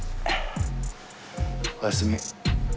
おやすみ。